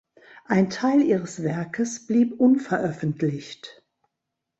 Ein Teil ihres Werkes blieb unveröffentlicht.